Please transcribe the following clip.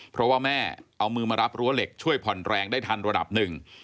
เพราะว่าแม่เอามือมารับรั้วเหล็กช่วยผ่อนแรงได้ทันระดับหนึ่ง